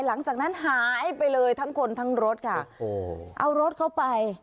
หลังจากนั้นหายไปเลยทั้งคนทั้งรถค่ะโอ้โหเอารถเข้าไป